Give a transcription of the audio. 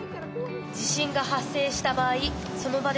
地震が発生した場合その場でしゃがむ。